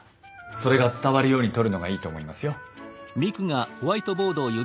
それが伝わるように撮るのがいいと思いますよ。